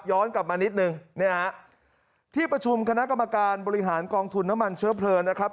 กลับมานิดนึงเนี่ยฮะที่ประชุมคณะกรรมการบริหารกองทุนน้ำมันเชื้อเพลิงนะครับ